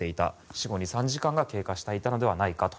死後２３時間が経過していたのではないかと。